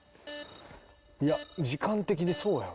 いや時間的にそうやろ。